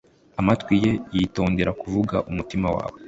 amatwi ye, yitondera kuvuga umutima wawe